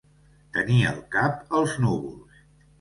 Tenir el cap als núvols.